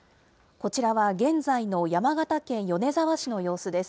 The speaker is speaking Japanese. こちらは、現在の山形県米沢市の様子です。